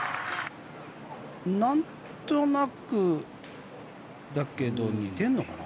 なんとなくだけど似てるのかな？